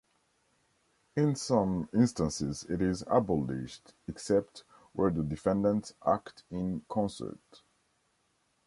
In some instances it is abolished except where the defendants "act in concert".